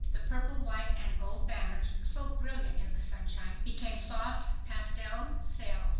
The purple, white and gold banners, so brilliant in the sunshine, became soft pastel sails.